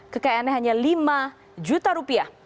kekayaannya hanya lima juta rupiah